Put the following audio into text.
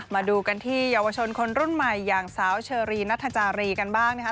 มาดูกันที่เยาวชนคนรุ่นใหม่อย่างสาวเชอรีนัทจารีกันบ้างนะคะ